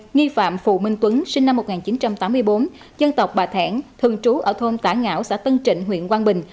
nghi phạm phù minh tuấn sinh năm một nghìn chín trăm tám mươi bốn dân tộc bà thẻn thường trú ở thôn tả ngảo xã tân trịnh huyện quang bình